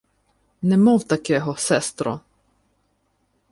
— Не мов такего, сестро.